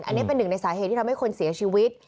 อันนี้เป็นหนึ่งในสาเหตุที่ทำให้คนเสียชีวิต